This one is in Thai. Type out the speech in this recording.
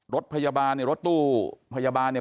รถพยาบาลเนี่ยรถตู้พยาบาลเนี่ย